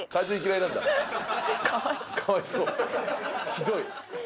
ひどい。